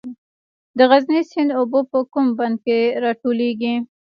د غزني سیند اوبه په کوم بند کې راټولیږي؟